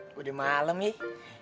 itu udah malem nih